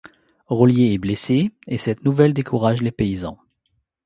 Rollier est blessé, et cette nouvelle décourage les paysans.